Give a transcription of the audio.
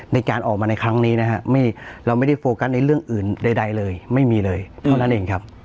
ในการออกมาในครั้งนี้นะฮะเราไม่ได้โฟกัสในเรื่องอื่นใดเลยไม่มีเลยเท่านั้นเองครับ